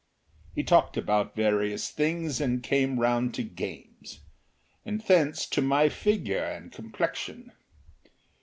He talked about various things and came round to games. And thence to my figure and complexion.